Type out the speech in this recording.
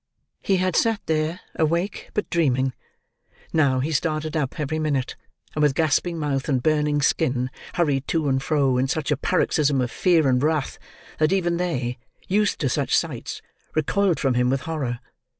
He had sat there, awake, but dreaming. Now, he started up, every minute, and with gasping mouth and burning skin, hurried to and fro, in such a paroxysm of fear and wrath that even they—used to such sights—recoiled from him with horror.